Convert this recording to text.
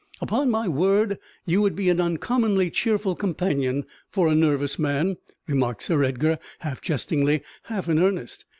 "Upon my word, you would be an uncommonly cheerful companion for a nervous man," remarked Sir Edgar, half jestingly, half in earnest.